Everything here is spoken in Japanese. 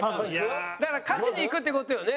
だから勝ちにいくって事よね。